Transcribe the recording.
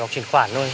hoặc truyền khoản thôi